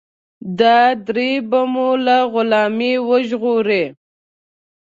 دا درې به مو له غلامۍ وژغوري.